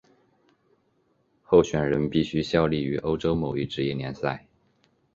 候选人必须效力于欧洲某一职业联赛。